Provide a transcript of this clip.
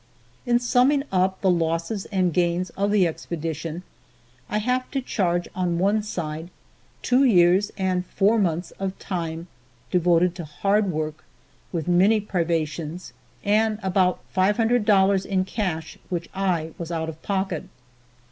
In summing up the losses and gains of the expedition, I have to charge on one side two years and four months of time devoted to hard work, with many privations, and about $500 in cash which I was out of pocket.